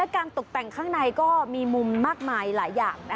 การตกแต่งข้างในก็มีมุมมากมายหลายอย่าง